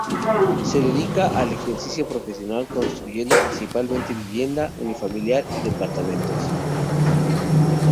Se dedica al ejercicio profesional construyendo principalmente vivienda, unifamiliar y departamentos.